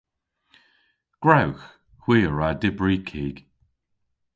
Gwrewgh. Hwi a wra dybri kig.